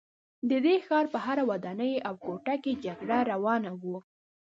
د دې ښار په هره ودانۍ او کوټه کې جګړه روانه وه